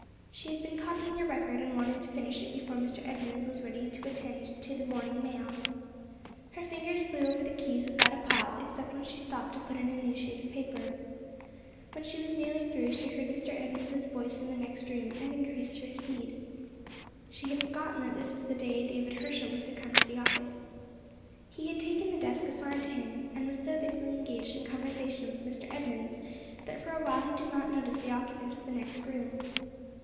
She had been copying a record, and wanted to finish it before Mr. Edmunds was ready to attend to the morning mail. Her fingers flew over the keys without a pause, except when she stopped to put in a new sheet of paper. When she was nearly through, she heard Mr. Edmunds's voice in the next room, and increased her speed. She had forgotten that this was the day David Herschel was to come into the office. He had taken the desk assigned him, and was so busily engaged in conversation with Mr. Edmunds that for a while he did not notice the occupant of the next room.